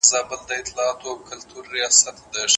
یوه بل ته په خوږه ژبه ګویان سول